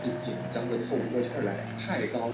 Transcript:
后升任考功郎中。